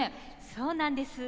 そうなんです。